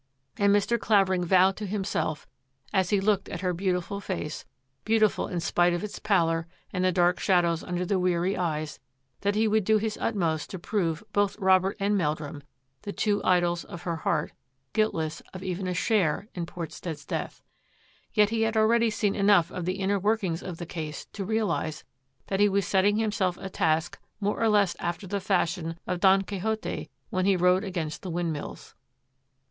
And Mr. Clavering vowed to him self, as he looked at her beautiful face, beautiful in spite of its pallor and the dark shadows under the weary eyes, that he would do his utmost to prove both Robert and Meldrum, the two idols of her heart, guiltless of even a share in Portstead's death. Yet he had already seen enough of the inner workings of the case to realise that he was setting himself a task more or less after the fash ion of Don Quixote's when he rode against the wind mills.